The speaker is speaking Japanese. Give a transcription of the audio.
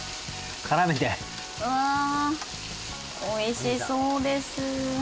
美味しそうです。